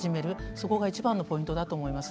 そこが一番のポイントだと思います。